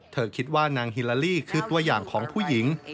เธอคิดว่านางฮิลาลี่คือตัวอย่างของผู้หญิง